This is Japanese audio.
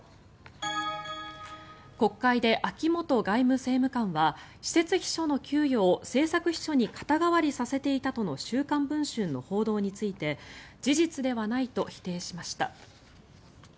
国会で秋本外務政務官は私設秘書の給与を政策秘書に肩代わりさせていたという「週刊文春」の報道について事実ではないと否定しました。